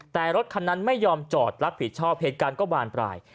แต่รถคันนั้นไม่ยอมจอดรับผิดชอบเหตุการณ์ก็บานปลาย